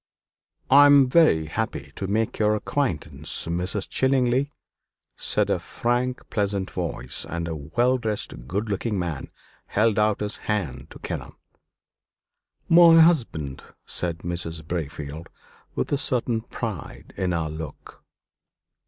"I am very happy to make your acquaintance, Mr. Chillingly," said a frank, pleasant voice; and a well dressed, good looking man held out his hand to Kenelm. "My husband," said Mrs. Braefield with a certain pride in her look.